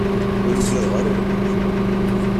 Ur ugadeɣ ara lmut.